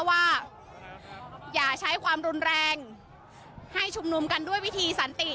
ว่าอย่าใช้ความรุนแรงให้ชุมนุมกันด้วยวิธีสันติ